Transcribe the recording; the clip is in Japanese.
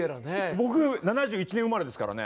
僕７１年生まれですからね。